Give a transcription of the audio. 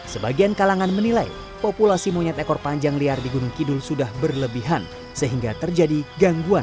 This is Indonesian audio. sebagian kalangan menilai populasi monyet ekor panjang liar di gunung kidul sudah berlebihan sehingga terjadi gangguan